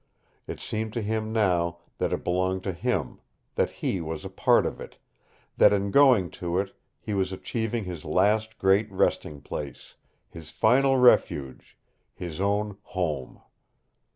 It seemed to him now that it belonged to him, that he was a part of it, that in going to it he was achieving his last great resting place, his final refuge, his own home.